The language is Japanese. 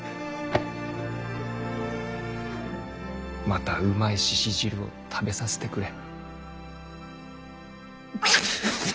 またうまい鹿汁を食べさせてくれ。